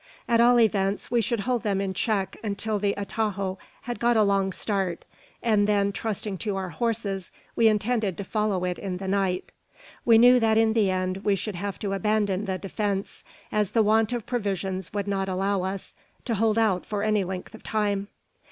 At all events, we should hold them in check until the atajo had got a long start; and then, trusting to our horses, we intended to follow it in the night. We knew that in the end we should have to abandon the defence, as the want of provisions would not allow us to hold out for any length of time.